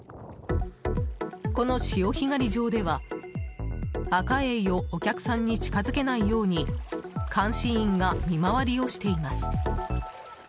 この潮干狩り場では、アカエイをお客さんに近づけないように監視員が見回りをしています。